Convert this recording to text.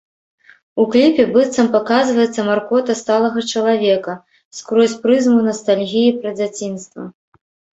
У кліпе быццам паказваецца маркота сталага чалавека, скрозь прызму настальгіі пра дзяцінства.